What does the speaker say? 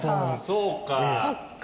そうか。